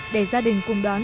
để gia đình cùng đón